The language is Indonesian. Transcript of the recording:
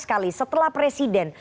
sekali setelah presiden